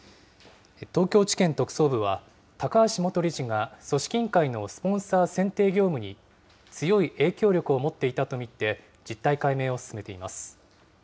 東京地検特捜部は、高橋元理事が組織委員会のスポンサー選定業務に、強い影響力を持っていたと見て、実態解明を進めています。